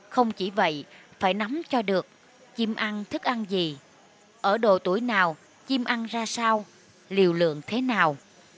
không chỉ vậy phải nắm cho được chim ăn thức ăn gì ở độ tuổi nào chim ăn ra sao liều lượng thế nào